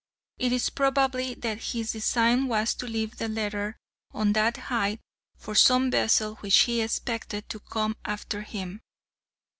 It is probable that his design was to leave the letter on that height for some vessel which he expected to come after him.